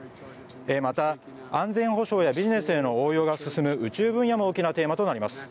また、安全保障やビジネスへの応用が進む宇宙分野も大きなテーマになります。